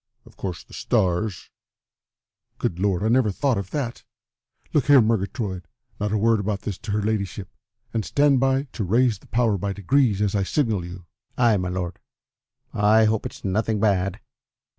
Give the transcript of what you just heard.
Of course the stars good Lord, I never thought of that! Look here, Murgatroyd, not a word about this to her ladyship, and stand by to raise the power by degrees, as I signal to you." "Ay, my lord. I hope it's nothing bad!"